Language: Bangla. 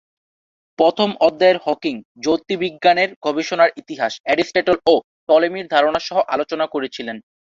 প্রথম অধ্যায়ে হকিং জ্যোতির্বিজ্ঞানের গবেষণার ইতিহাস, এরিস্টটল এবং টলেমির ধারণা সহ আলোচনা করেছিলেন।